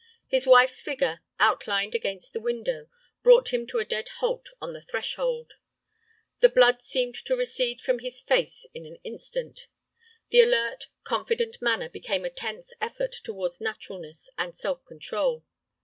His wife's figure, outlined against the window, brought him to a dead halt on the threshold. The blood seemed to recede from his face in an instant. The alert, confident manner became a tense effort towards naturalness and self control.